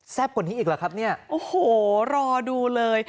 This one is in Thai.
กว่านี้อีกเหรอครับเนี่ยโอ้โหรอดูเลย